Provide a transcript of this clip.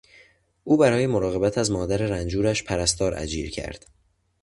او برای مراقبت از مادر رنجورش پرستار اجیر کرد.